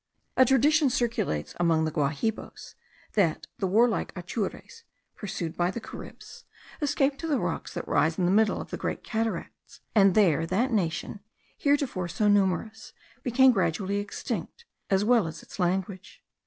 A tradition circulates among the Guahibos, that the warlike Atures, pursued by the Caribs, escaped to the rocks that rise in the middle of the Great Cataracts; and there that nation, heretofore so numerous, became gradually extinct, as well as its language.